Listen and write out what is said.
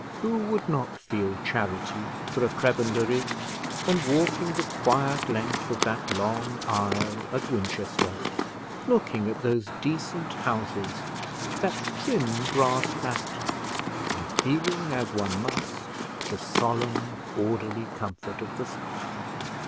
Who would not feel charity for a prebendary when walking the quiet length of that long aisle at Winchester, looking at those decent houses, that trim grass plat, and feeling, as one must, the solemn, orderly comfort of the spot!